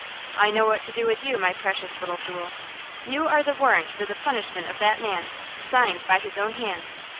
I know what to do with you, my precious little jewel! You are the warrant for the punishment of that man, signed by his own hand."